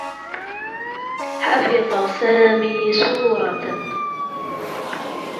حفظ سامي سورة.